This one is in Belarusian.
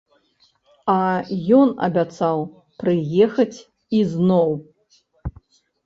А ён абяцаў прыехаць ізноў.